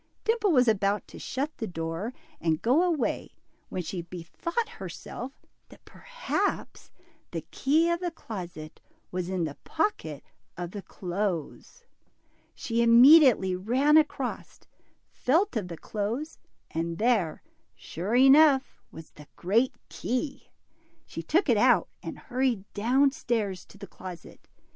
Dimple was about to shut the door and go away, when she bethought herself that perhaps the key of the closet was in the pocket of the clothes. She # t r \ 'a DIMPLE. 51 immediately ran across, felt of the clothes, and there, sure enough, was the great key ! She took it out and hurried down stairs to the closet.